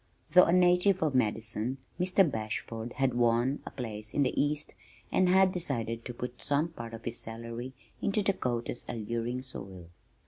Though a native of Madison Mr. Bashford had won a place in the east and had decided to put some part of his salary into Dakota's alluring soil.